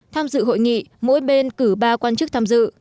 tham dự hội nghị mỗi bên cử ba quan chức tham dự